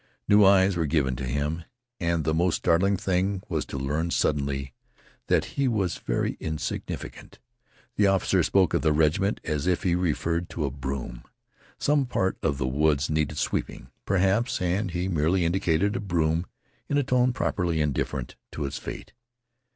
New eyes were given to him. And the most startling thing was to learn suddenly that he was very insignificant. The officer spoke of the regiment as if he referred to a broom. Some part of the woods needed sweeping, perhaps, and he merely indicated a broom in a tone properly indifferent to its fate.